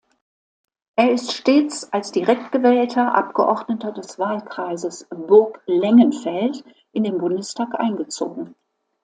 Er ist stets als direkt gewählter Abgeordneter des Wahlkreises Burglengenfeld in den Bundestag eingezogen.